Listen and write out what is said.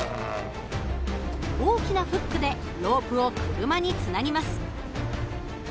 大きなフックでロープを車につなぎます。